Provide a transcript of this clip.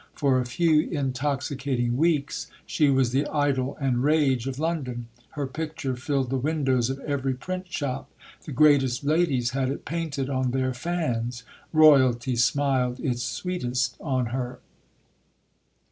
For a few intoxicating weeks she was the idol and rage of London; her picture filled the windows of every print shop; the greatest ladies had it painted on their fans. Royalty smiled its sweetest on her.